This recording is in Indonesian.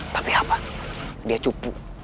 tapi apa dia cupu